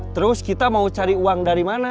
terus kita mau cari uang dari mana